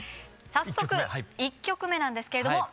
早速１曲目なんですけれども。